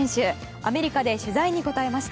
アメリカで取材に答えました。